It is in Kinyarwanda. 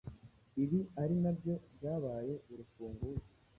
ibi ari nabyo byabaye urufunguzo